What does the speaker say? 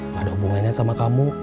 gak ada hubungannya sama kamu